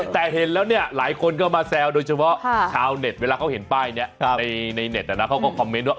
แต่เห็นแล้วเนี่ยหลายคนก็มาแซวโดยเฉพาะชาวเน็ตเวลาเขาเห็นป้ายนี้ในเน็ตเขาก็คอมเมนต์ว่า